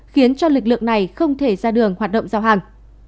khiến cho lực lượng này không thể ra đường hoạt động giao hàng